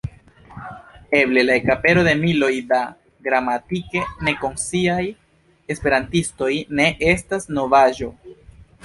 Eble la ekapero de miloj da gramatike nekonsciaj esperantistoj ne estas novaĵo.